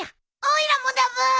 おいらもだブー。